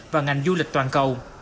và ngành du lịch toàn cầu